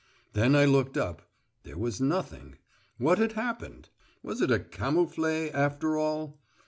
Then I looked up. There was nothing. What had happened? Was it a camouflet after all?